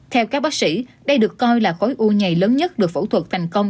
theo các bác sĩ đây được coi là khối u nhảy lớn nhất được phẫu thuật thành công